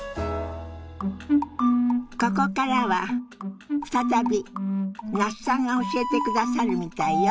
ここからは再び那須さんが教えてくださるみたいよ。